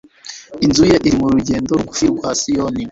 Inzu ye iri mu rugendo rugufi rwa sitasiyo.